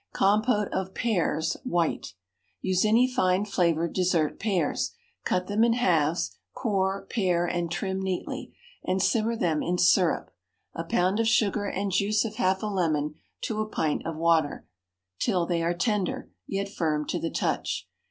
Compote of Pears (white). Use any fine flavored dessert pears. Cut them in halves, core, pare, and trim neatly, and simmer them in syrup (a pound of sugar and juice of half a lemon to a pint of water) till they are tender, yet firm to the touch.